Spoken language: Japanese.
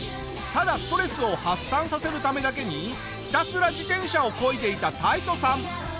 ただストレスを発散させるためだけにひたすら自転車をこいでいたタイトさん。